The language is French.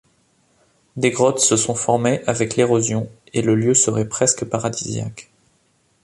Des grottes se sont formées avec l'érosion et le lieu serait presque paradisiaque.